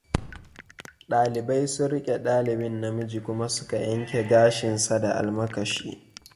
Dalibai sun riƙe ɗalibin namiji kuma suka yanke gashinsa da almakashi.